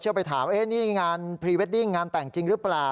ไปถามนี่งานพรีเวดดิ้งงานแต่งจริงหรือเปล่า